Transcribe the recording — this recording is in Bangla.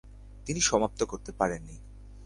তিনি সমাপ্ত করতে পারেননি।